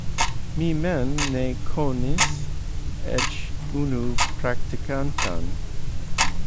Mi mem ne konas eĉ unu praktikantan.